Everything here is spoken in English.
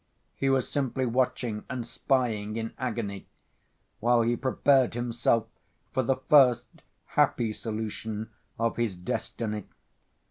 He was simply watching and spying in agony, while he prepared himself for the first, happy solution of his destiny.